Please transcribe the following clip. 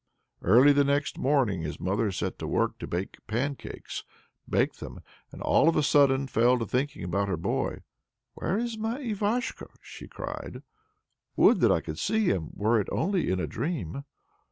Early the next morning his mother set to work to bake pancakes, baked them, and all of a sudden fell to thinking about her boy. "Where is my Ivashko?" she cried; "would that I could see him, were it only in a dream!"